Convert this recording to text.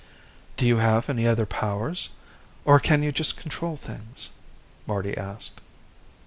"Do you have any other powers, or can you just control things?" Marty asked.